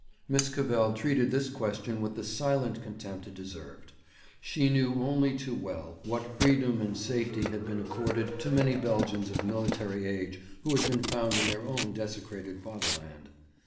Miss Cavell treated this question with the silent contempt it deserved. She knew only too well what freedom and safety had been accorded to many Belgians of military age who had been found in their own desecrated fatherland.